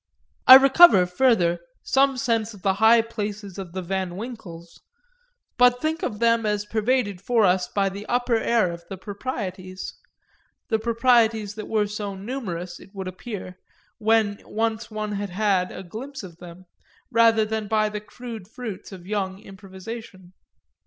I recover, further, some sense of the high places of the Van Winkles, but think of them as pervaded for us by the upper air of the proprieties, the proprieties that were so numerous, it would appear, when once one had had a glimpse of them, rather than by the crude fruits of young improvisation.